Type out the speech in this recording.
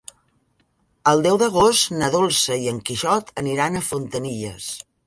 El deu d'agost na Dolça i en Quixot aniran a Fontanilles.